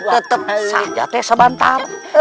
tetap saja sebentar